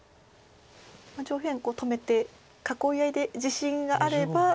上辺止めて囲い合いで自信があれば。